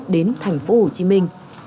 đến thành phố hồ chí minh